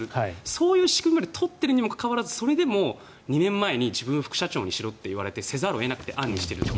そういう仕組みまで取ってるにもかかわらずそれでも２年前に自分を副社長にしろと言われてせざるを得なくて暗にしていると。